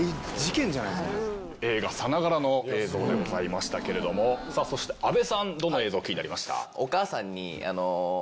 映画さながらの映像でございましたけれどもさあそして阿部さんどの映像気になりました？